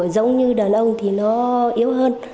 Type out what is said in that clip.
giống như đàn ông thì nó yếu hơn